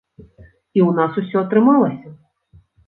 І ў нас усё атрымалася!